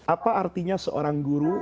apa artinya seorang guru